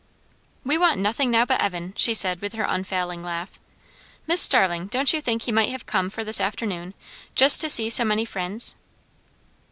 "We want nothing now but Evan," she said with her unfailing laugh. "Miss Starling, don't you think he might have come for this afternoon, just to see so many friends?"